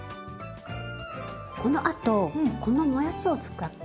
このあとこのもやしを使って。